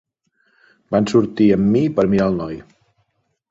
Van sortir amb mi per mirar al noi.